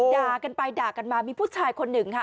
ด่ากันไปด่ากันมามีผู้ชายคนหนึ่งค่ะ